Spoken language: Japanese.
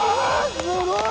すごい！